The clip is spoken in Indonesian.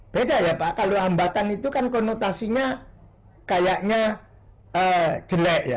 beda ya pak kalau hambatan itu kan konotasinya kayaknya jelek ya